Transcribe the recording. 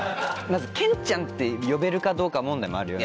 まず「ケンちゃん」って呼べるかどうか問題もあるよ。